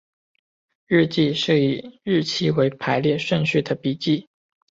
日记是以日期为排列顺序的笔记。